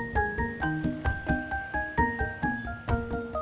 dari tadi maksa mulu